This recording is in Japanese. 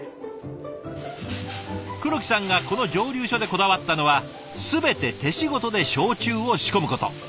黒木さんがこの蒸留所でこだわったのは全て手仕事で焼酎を仕込むこと。